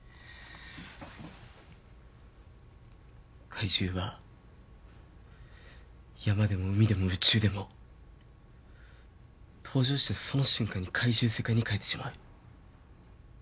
怪獣は山でも海でも宇宙でも登場したその瞬間に怪獣世界に変えてしまう。